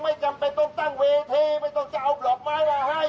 จำเป็นต้องตั้งเวทีไม่ต้องจะเอาดอกไม้มาให้